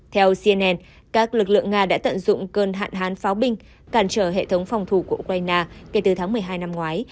theo cnn các lực lượng nga đã tận dụng cơn hạn hán pháo binh cản trở hệ thống phòng thủ của ukraine kể từ tháng một mươi hai năm ngoái